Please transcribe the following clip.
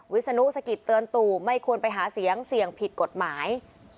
วิศนุสกิดเตือนตู่ไม่ควรไปหาเสียงเสี่ยงผิดกฎหมาย